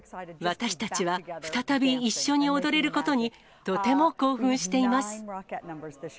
私たちは再び一緒に踊れることに、とても興奮しています。